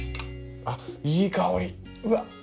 ああいい香り。